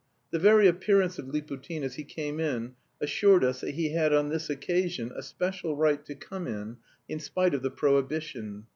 The very appearance of Liputin as he came in assured us that he had on this occasion a special right to come in, in spite of the prohibition.